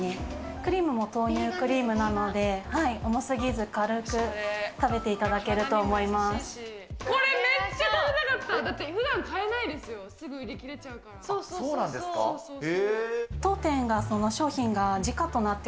クリームも豆乳クリームなので、重すぎず、軽く、食べていただけこれ、めっちゃ食べたかった。